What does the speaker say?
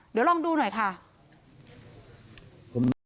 เดี๋ยวลองดูหน่อยค่ะ